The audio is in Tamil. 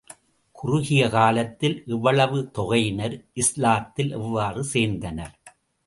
குறுகிய காலத்தில் இவ்வளவு தொகையினர் இஸ்லாத்தில் எவ்வாறு சேர்ந்தனர்?